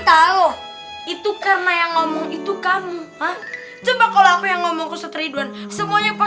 aku juga udah siapin merica di dalam botol